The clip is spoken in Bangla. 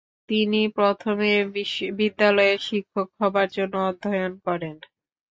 তিনি প্রথমে বিদ্যালয়ের শিক্ষক হবার জন্য অধ্যয়ন করেন।